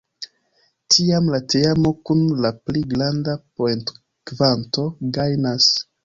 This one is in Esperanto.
Tiam la teamo kun la pli granda poentokvanto gajnas.